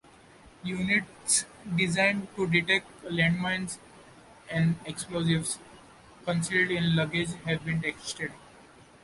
Units designed to detect landmines and explosives concealed in luggage have been tested.